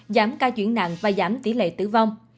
giảm ca chuyển nặng và giảm tỷ lệ tử vong